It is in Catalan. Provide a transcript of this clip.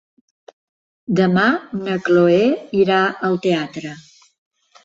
Demà na Chloé irà al teatre.